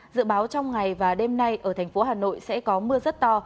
dự báo trong ngày và đêm nay ở thành phố hà nội sẽ có mưa rất to